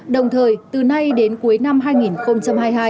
đồng thời từ nay đến cuối năm hai nghìn hai mươi hai